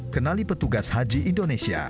kenali petugas haji indonesia